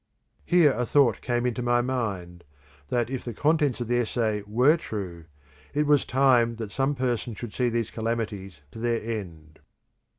Here a thought came into my mind, that if the contents of the essay were true, it was time that some person should see these calamities to their end."